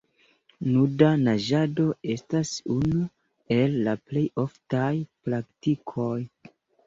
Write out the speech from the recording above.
Nuda naĝado estas unu el la plej oftaj praktikoj.